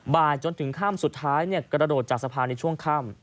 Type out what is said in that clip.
บ่ายจนถึงค่ำสุดท้ายกระโดดจากสะพานในช่วงค่ำ